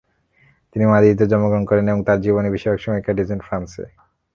তিনি মাদ্রিদে জন্মগ্রহণ করেন এবং তার জীবনের বেশিরভাগ সময় কাটিয়েছেন ফ্রান্সে।